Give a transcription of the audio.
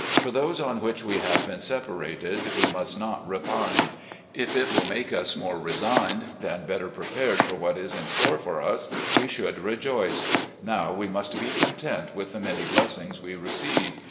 For those on which we have been separated we must not repine. If it will make lis more resigned and better prepared for what is in store for us, we should rejoice. Now we must be content with the many blessings we receive.